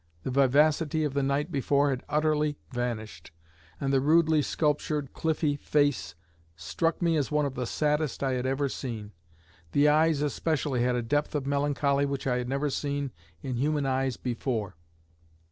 The vivacity of the night before had utterly vanished, and the rudely sculptured cliffy face struck me as one of the saddest I had ever seen. The eyes especially had a depth of melancholy which I had never seen in human eyes before.